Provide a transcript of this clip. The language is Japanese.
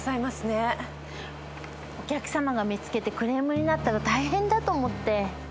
お客さまが見つけてクレームになったら大変だと思って。